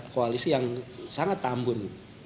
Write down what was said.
koalisi yang sangat tambun